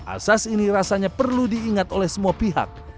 asas ini rasanya perlu diingat oleh semua pihak